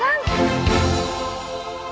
hai tiga empat